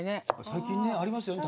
最近ありますよね。